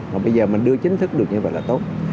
mà bây giờ mình đưa chính thức được như vậy là tốt